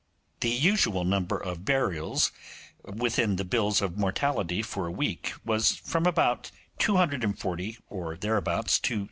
The usual number of burials within the bills of mortality for a week was from about 240 or thereabouts to 300.